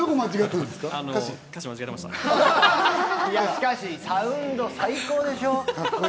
しかしサウンド最高でしょう？